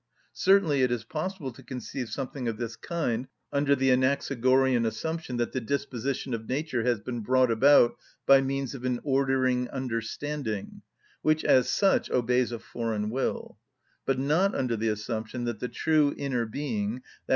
Certainly it is possible to conceive something of this kind under the Anaxagorean assumption that the disposition of nature has been brought about by means of an ordering understanding, which, as such, obeys a foreign will; but not under the assumption that the true inner being (_i.